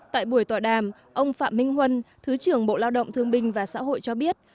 tại buổi tọa đàm ông phạm minh huân thứ trưởng bộ lao động thương binh và xã hội cho biết